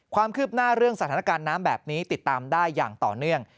ความคืบหน้าเรื่องสถานการณ์น้ำแบบนี้ติดตามได้อย่างต่อเนื่อง